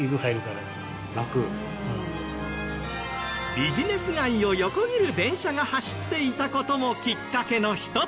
ビジネス街を横切る電車が走っていた事もきっかけの一つ。